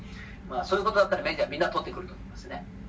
そういうことだったらメディアはみんな飛んでくると思いますね。